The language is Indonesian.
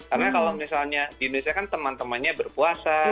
karena kalau misalnya di indonesia kan teman temannya berpuasa